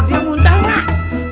rodie muntah mak